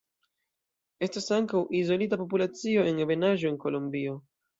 Estas ankaŭ izolita populacio en ebenaĵo en Kolombio.